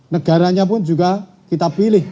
negaranya pun juga kita pilih